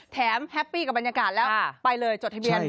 แฮปปี้กับบรรยากาศแล้วไปเลยจดทะเบียน